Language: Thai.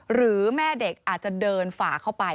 หรือแม่เด็กอาจจะเดินฝ่าเข้าไป